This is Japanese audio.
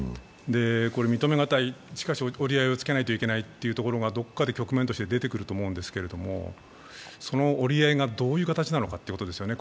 認めがたい、しかし折り合いをつけなければいけないところがどっかで局面として出てくると思うんですけど、その折り合いがどういう形なのかということなんですよね